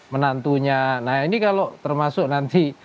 menantunya nah ini kalau termasuk nanti